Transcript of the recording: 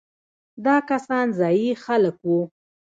دا کسان ځايي خلک وو.